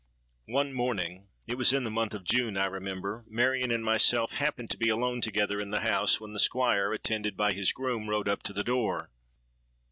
"One morning,—it was in the month of June, I remember, Marion and myself happened to be alone together in the house, when the Squire, attended by his groom, rode up to the door.